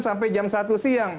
sampai jam satu siang